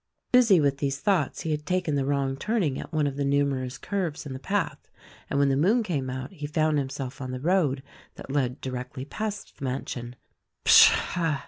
Busy with these thoughts he had taken the wrong turn ing at one of the numerous curves in the path, and when the moon came out he found himself on the road that led directly past the mansion. "Psha!"